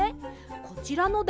こちらのだ